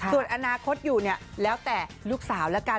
ส่วนอนาคตอยู่เนี่ยแล้วแต่ลูกสาวแล้วกัน